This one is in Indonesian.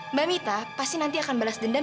mbak mita pasti nanti akan balas dendam